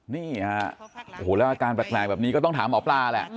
นี่ฮะโอ้โหแล้วอาการแปลกแบบนี้ก็ต้องถามหมอปลาแหละ